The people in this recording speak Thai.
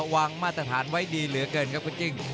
มาตรฐานไว้ดีเหลือเกินครับคุณกิ้ง